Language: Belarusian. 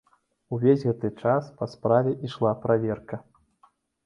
Увесь гэты час па справе ішла праверка.